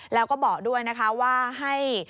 แล้วก็บอกด้วยนะคะว่าให้